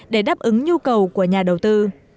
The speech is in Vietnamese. để đáp ứng nhu cầu của nhà đầu tư